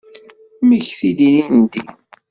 Mmektit-d ilindi.